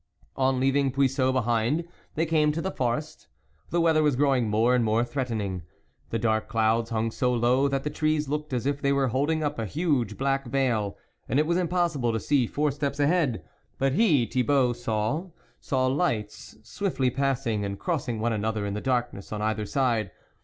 On leaving Puiseux behind, they came to the forest. The weather was growing more and more threatening; the dark clouds hung so low that the trees looked as if they were holding up a huge black veil, and it was impossible to see four steps ahead. But he, Thibault saw ; saw lights swiftly passing, and crossing one another, in the darkness on either side.